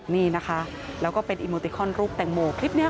นี่นะคะแล้วก็เป็นอีโมติคอนรูปแตงโมคลิปนี้